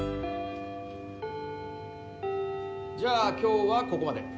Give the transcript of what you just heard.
じゃあ今日はここまで。